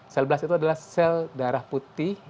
sel blast itu adalah sel darah putih